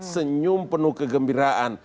senyum penuh kegembiraan